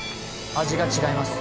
味が違います